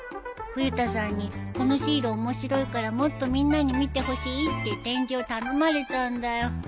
冬田さんに「このシール面白いからもっとみんなに見てほしい」って展示を頼まれたんだよ。